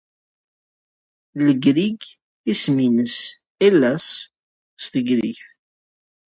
Legrig isem-nnes Hellas s tegrigit.